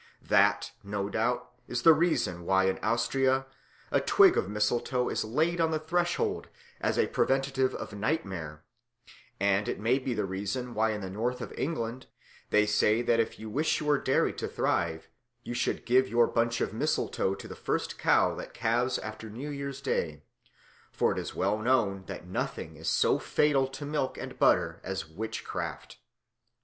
That, no doubt, is the reason why in Austria a twig of mistletoe is laid on the threshold as a preventive of nightmare; and it may be the reason why in the north of England they say that if you wish your dairy to thrive you should give your bunch of mistletoe to the first cow that calves after New Year's Day, for it is well known that nothing is so fatal to milk and butter as witchcraft.